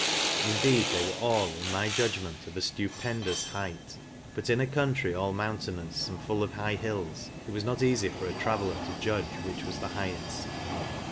Indeed they were all, in my judgment, of a flupen , dous height; but in a country all mountainous, and full of high hills, it was not eafy for a traveller to judge which was the higheft.